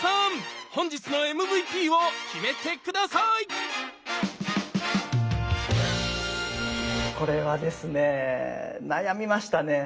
本日のＭＶＰを決めて下さいこれはですね悩みましたね。